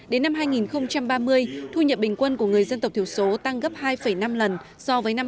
đến năm hai nghìn ba mươi thu nhập bình quân của người dân tộc thiểu số tăng gấp hai năm lần so với năm hai nghìn một mươi